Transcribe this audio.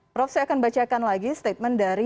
prof saya akan bacakan lagi statement dari